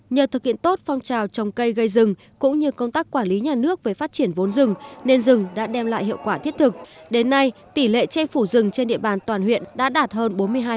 nhờ thực hiện tốt phong trào trồng cây gây rừng cũng như công tác quản lý nhà nước về phát triển vốn rừng nên rừng đã đem lại hiệu quả thiết thực đến nay tỷ lệ che phủ rừng trên địa bàn toàn huyện đã đạt hơn bốn mươi hai